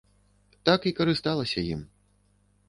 Так і карысталася ім.